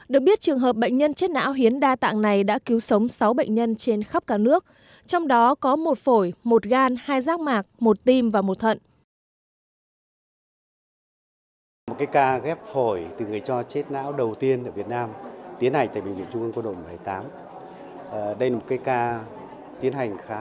được biết trường hợp bệnh nhân chết não hiến đa tạng này đã cứu sống sáu bệnh nhân trên khắp cả nước trong đó có một phổi một gan hai tim và một thận